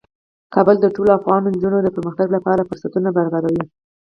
کابل د ټولو افغان نجونو د پرمختګ لپاره فرصتونه برابروي.